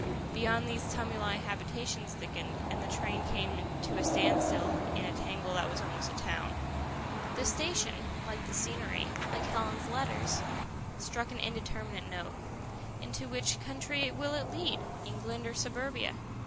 Beyond these tumuli habitations thickened, and the train came to a standstill in a tangle that was almost a town. The station, like the scenery, like Helen's letters, struck an indeterminate note. Into which country will it lead, England or Suburbia?